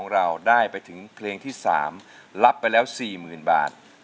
อะไรกันนี่๔๐๐๐๐บาทสำหรับเด็กสี่ขวบนะครับ